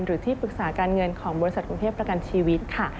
หรือที่ปรึกษาการเงินของบริษัทกรุงเทพประกันชีวิตค่ะ